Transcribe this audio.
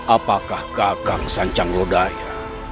apakah kakang sancangrodaya